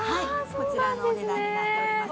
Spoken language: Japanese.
こちらのお値段になっております。